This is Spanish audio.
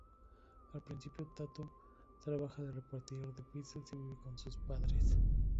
Al principio Tato trabaja de repartidor de pizzas y vive con sus padres.